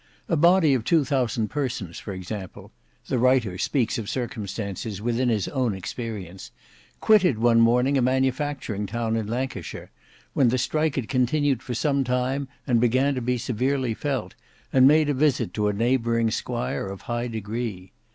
A body of two thousand persons, for example—the writer speaks of circumstances within his own experience—quitted one morning a manufacturing town in Lancashire, when the strike had continued for some time and began to be severely felt, and made a visit to a neighbouring squire of high degree.